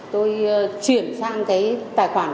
tôi chuyển sang cái tài khoản của em